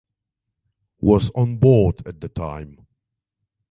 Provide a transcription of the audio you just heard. Was onboard at the time.